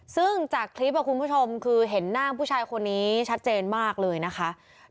ซึ่งจากคลิปคุณผู้ชมคือเห็นหน้าผู้ชายคนนี้ชัดเจนมากเลยนะคะ